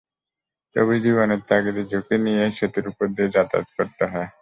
তবু জীবনের তাগিদে ঝুঁকি নিয়েই সেতুর ওপর দিয়ে যাতায়াত করতে হয়।